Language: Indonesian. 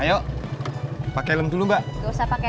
iya paling sedemikian z genommen nih kak